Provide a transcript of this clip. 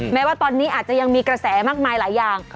แม้ว่าตอนนี้อาจจะยังมีกระแสมากมายหลายอย่าง